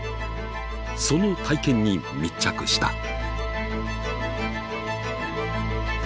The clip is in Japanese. その体験に密着した。